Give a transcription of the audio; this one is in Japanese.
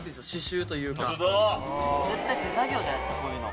絶対手作業じゃないですかこういうの。